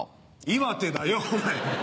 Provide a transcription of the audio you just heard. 岩手だよお前。